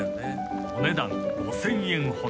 ［お値段５，０００円ほど］